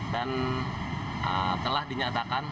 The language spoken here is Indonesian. dan telah dinyatakan